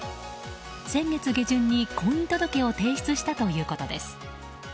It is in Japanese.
先月下旬に婚姻届を提出したということです。